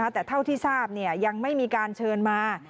แต่เท่าที่ทราบยังไม่มีการเชิญมา